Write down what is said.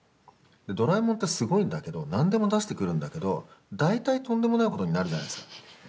ドラえもんってすごいんだけど何でも出してくるんだけど大体とんでもないことになるじゃないですか。